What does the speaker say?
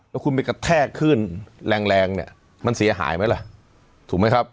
แล้วคุณไปกระแทกขึ้นแรงแรงเนี่ยมันเสียหายไหมล่ะถูกไหมครับ